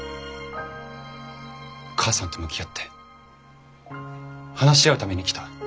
母さんと向き合って話し合うために来た。